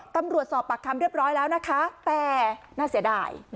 สอบปากคำเรียบร้อยแล้วนะคะแต่น่าเสียดาย